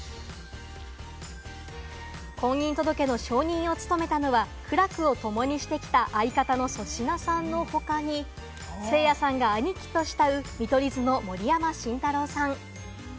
婚姻届の証人を務めたのは苦楽を共にしてきた相方の粗品さんの他に、せいやさんが兄貴と慕う、見取り図の盛山晋太郎さん。